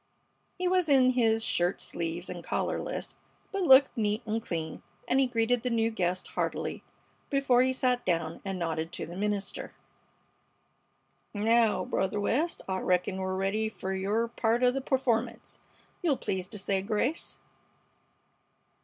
He was in his shirt sleeves and collarless, but looked neat and clean, and he greeted the new guest heartily before he sat down, and nodded to the minister: "Naow, Brother West, I reckon we're ready fer your part o' the performance. You'll please to say grace."